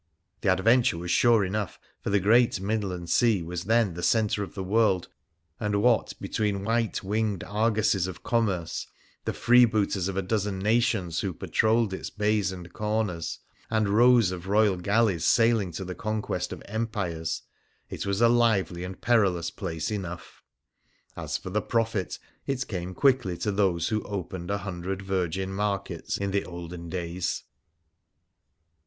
The adventure was sure enough, for the great midland sea was then the centre of the world, and, what between white winged argosies of commerce, the freebooters of a dozen nations who patrolled its bays and corners, and rows of royal galleys sailing to the conquest of empires, it was a lively and perilous place enough. As for the profit, it came quickly to those who opened a hundred virgin markets in the olden days.